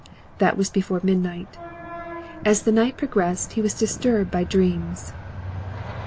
That was before midnight. As the night progressed he was disturbed by dreams.